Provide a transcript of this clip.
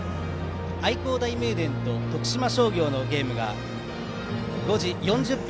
愛工大名電と徳島商業のゲームが５時４０分